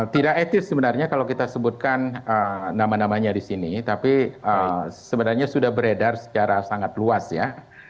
tidak etis sebenarnya kalau kita sebutkan nama namanya di sini tapi sebenarnya sudah beredar secara sangat luas ya